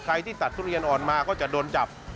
ที่ตัดทุเรียนอ่อนมาก็จะโดนจับ